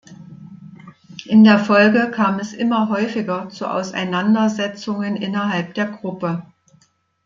In der Folge kam es immer häufiger zu Auseinandersetzungen innerhalb der Gruppe.